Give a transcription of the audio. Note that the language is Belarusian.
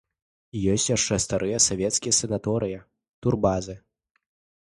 Ёсць яшчэ старыя савецкія санаторыі, турбазы.